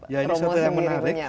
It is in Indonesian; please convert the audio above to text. ya ini satu yang menarik